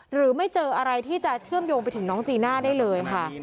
หรือไม่เจออะไรที่จะเชื่อมโยงไปถึงน้องจีน่าได้เลยค่ะ